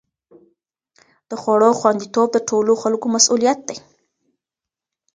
د خوړو خوندي توب د ټولو خلکو مسؤلیت دی.